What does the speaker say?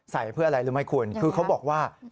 ใส่เพื่ออะไรรู้ไหมคุณคือเขาบอกว่า